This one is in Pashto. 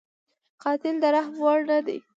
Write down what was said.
قاتل د رحم وړ نه دی